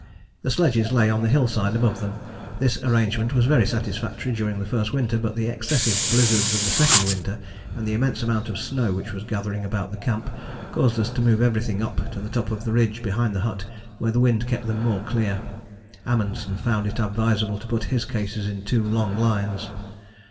The sledges lay on the hill side above them. This arrangement was very satisfactory during the first winter, but the excessive blizzards of the second winter and the immense amount of snow which was gathering about the camp caused us to move everything up to the top of the ridge behind the hut where the wind kept them more clear. Amundsen found it advisable to put his cases in two long lines.